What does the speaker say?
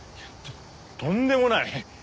とんでもない！